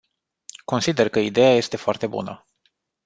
Consider că ideea este foarte bună.